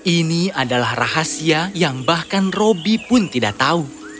ini adalah rahasia yang bahkan roby pun tidak tahu